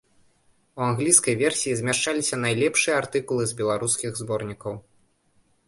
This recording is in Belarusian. У англійскай версіі змяшчаліся найлепшыя артыкулы з беларускіх зборнікаў.